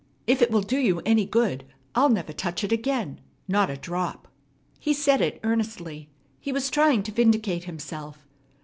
If it will do you any good, I'll never touch it again, not a drop." He said it earnestly. He was trying to vindicate himself.